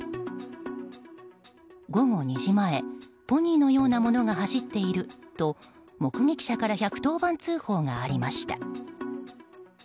午後２時前ポニーのようなものが走っていると目撃者から１１０番通報がありました。